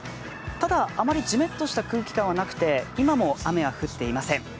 ただ、あまりジメッとした空気感はなくて今も雨は降っていません。